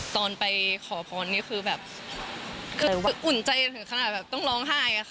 ตอนไปขอพรนี่คือแบบคืออุ่นใจถึงขนาดแบบต้องร้องไห้อะค่ะ